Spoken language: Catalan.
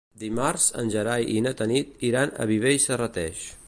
Dimarts en Gerai i na Tanit iran a Viver i Serrateix.